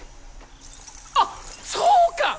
あっそうか！